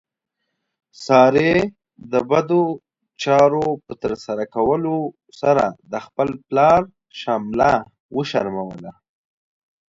سارې د بدو چارو په ترسره کولو سره د خپل پلار شمله وشرموله.